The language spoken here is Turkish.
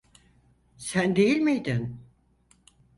Sen değil miydin?